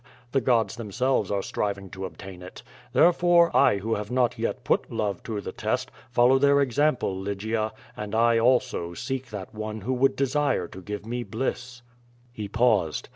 The gods themselves are striving to obtain it. Therefore, I who have not yet put love to the test, follow their example, Lygia, and I, also, seek that one who would desire to give me bliss/' He paused.